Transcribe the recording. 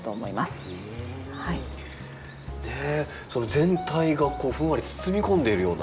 全体がふんわり包み込んでいるような。